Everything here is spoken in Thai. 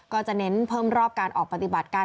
ก็จะเน้นเพิ่มรอบการออกปฏิบัติการ